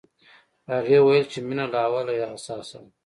هغې وویل چې مينه له اوله حساسه وه